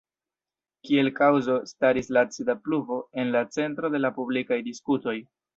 Kiel kaŭzo staris la acida pluvo en la centro de la publikaj diskutoj.